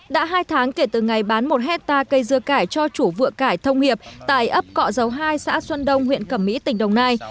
đã hai tháng kể từ ngày bán một hectare cây dưa cải cho chủ vựa cải thông hiệp tại ấp cọ dấu hai xã xuân đông huyện cẩm mỹ tỉnh đồng nai